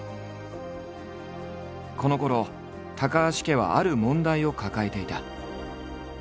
このころ高橋家はある問題を抱えていた。